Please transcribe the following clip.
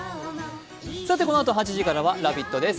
さてこのあとは８時からは「ラヴィット！」です。